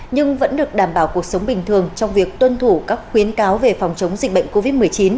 nhưng vẫn được đảm bảo cuộc sống bình thường trong việc tuân thủ các khuyến cáo về phòng chống dịch bệnh covid một mươi chín